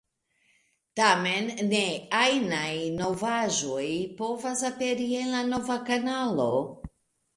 Tamen, ne ajnaj novaĵoj povas aperi en la nova kanalo.